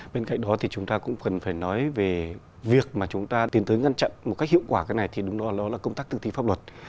bên cạnh đó thì chúng ta cũng cần phải nói về việc mà chúng ta tiến tới ngăn chặn một cách hiệu quả cái này thì đúng đó là công tác tư thi pháp luật